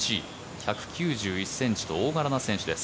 １９１ｃｍと大柄な選手です。